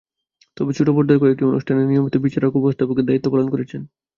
তবে ছোট পর্দার কয়েকটি অনুষ্ঠানে নিয়মিত বিচারক ও উপস্থাপকের দায়িত্ব পালন করেছেন।